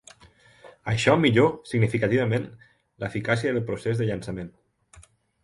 Això millor significativament la eficàcia del procés de llançament.